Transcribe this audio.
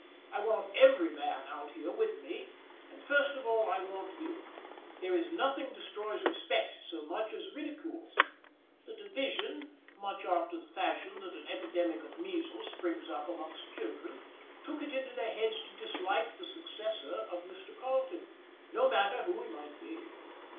I want every man out here with me, and first of all I want you. There is nothing destroys respect so much as ridicule. The division, much after the fashion that an epidemic of measles springs up amongst children, took it into their heads to dislike the successor of Mr. Carleton, no matter who he might be.